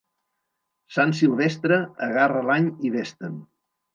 Sant Silvestre, agarra l'any i ves-te'n.